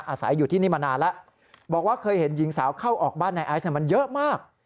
อาศัยอยู่ที่นี่มานานแล้วบอกว่าเคยเห็นหญิงสาวเข้าออกบ้านในไอซ์มันเยอะมาก